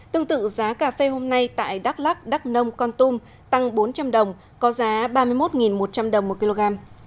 tương tự giá cà phê hôm nay tại đắk lắc đắk nông con tum tăng bốn trăm linh đồng có giá ba mươi một một trăm linh đồng một kg